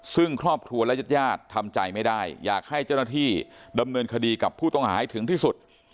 ซึ่งครอบครัวและญาติญาติทำใจไม่ได้อยากให้เจ้าหน้าที่ดำเนินคดีกับผู้ต้องหาให้ถึงที่สุด